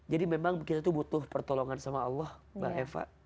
jadi memang kita itu butuh pertolongan sama allah mbak eva